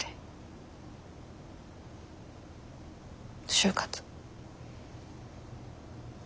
就活。